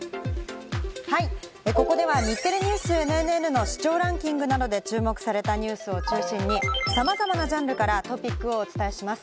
はい、ここでは日テレＮＥＷＳ、ＮＮＮの視聴ランキングなどで注目されたニュースを中心にさまざまなジャンルからトピックをお伝えします。